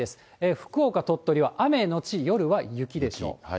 福岡、鳥取は雨後夜は雪でしょう。